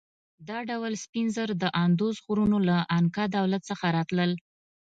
دا ټول سپین زر د اندوس غرونو له انکا دولت څخه راتلل.